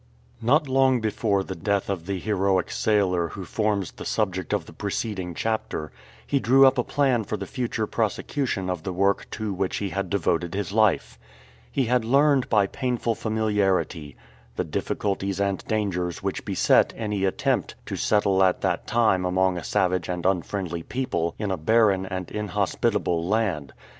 NOT long before the death of the heroic sailor who forms the subject of the preceding chapter, he drew up a plan for the future prosecution of the work to which he had devoted his life. He had learned by painful familiarity the difficulties and dangers which beset any attempt to settle at that time among a savage and unfriendly people in a barren and inhospitable land.